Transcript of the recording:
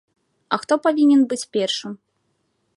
А хто павінен быць першым?